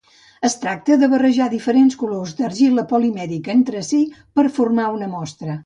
Es tracta de barrejar diferents colors d'argila polimèrica entre si per formar una mostra.